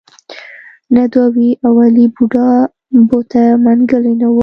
نه دوه وې اولې بوډا بوته منګلی نه و.